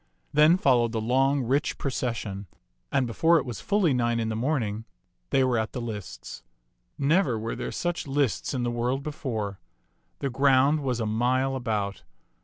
Then followed the long, rich pro cession; and before it was fully nine in the morning, they were at the lists. Never were there such lists in the world before. The ground was a mile about.